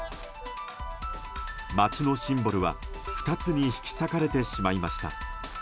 街のシンボルは、２つに引き裂かれてしまいました。